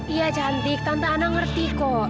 iya cantik tante ana ngerti kok